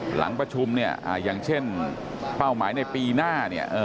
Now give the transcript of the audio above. หลังประชุมเนี่ยอย่างเช่นเป้าหมายในปีหน้าเนี่ย